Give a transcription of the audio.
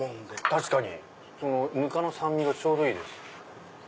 確かにぬかの酸味がちょうどいいです。